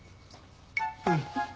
うん。